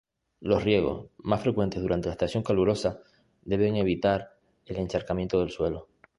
Los riegos, más frecuentes durante la estación calurosa, deben evitar el encharcamiento del suelo.